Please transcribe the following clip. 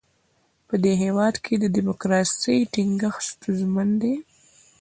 په دې هېواد کې د ډیموکراسۍ ټینګښت ستونزمن دی.